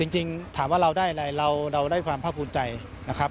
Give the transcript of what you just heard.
จริงถามว่าเราได้อะไรเราได้ความภาคภูมิใจนะครับ